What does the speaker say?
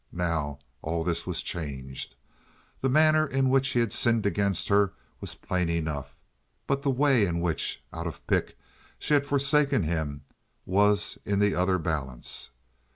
Now all this was changed. The manner in which he had sinned against her was plain enough, but the way in which, out of pique, she had forsaken him was in the other balance.